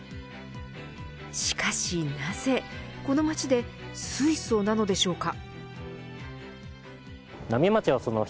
しかしなぜこの街で水素なのでしょうか。